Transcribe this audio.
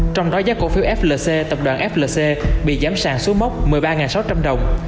trong đó giá cổ phiếu flc tập đoàn flc bị giám sàn xuống mốc một mươi ba sáu trăm linh đồng